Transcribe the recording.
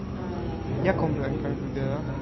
"Jaką broń pan wybiera?"